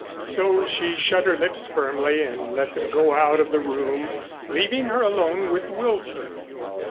So she shut her lips firmly and let them go out of the room, leaving her alone with Wilson.